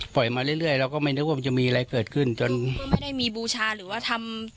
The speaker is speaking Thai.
มาเรื่อยเราก็ไม่นึกว่ามันจะมีอะไรเกิดขึ้นจนไม่ได้มีบูชาหรือว่าทำ